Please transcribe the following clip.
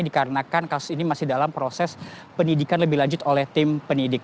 dikarenakan kasus ini masih dalam proses penyidikan lebih lanjut oleh tim penyidik